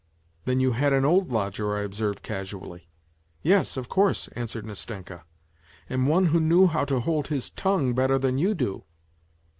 " Then you had an old lodger," I observed casually. " Yes, of course," answered Nastenka, " and one who knew WHITE NIGHTS 25 how to hold his tongue better than you do.